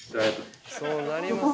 そうなりますわ。